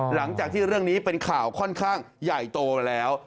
หลังจากที่เรื่องนี้เป็นข่าวค่อนข้างใหญ่โตแล้ว